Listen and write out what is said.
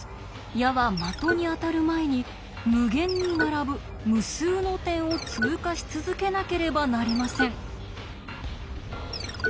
矢は的に当たる前に無限に並ぶ無数の点を通過し続けなければなりません。